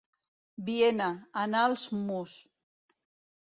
Viena, Anals Mus.